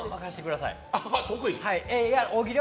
得意？